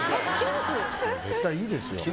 絶対にいいですよ。